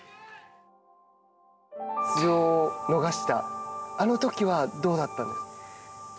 出場を逃したあのときはどうだったんですか？